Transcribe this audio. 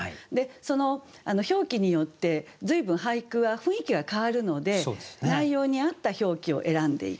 その表記によって随分俳句は雰囲気が変わるので内容に合った表記を選んでいく。